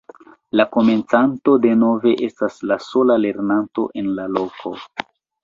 La komencanto denove estas la sola lernanto en la loko.